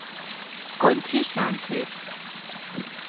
Conchi Sánchez.